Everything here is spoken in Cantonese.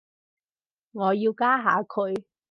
我要加下佢